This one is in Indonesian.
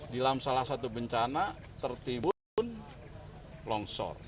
dalam salah satu bencana tertibun longsor